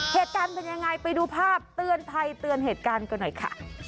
เหตุการณ์เป็นยังไงไปดูภาพเตือนภัยเตือนเหตุการณ์กันหน่อยค่ะ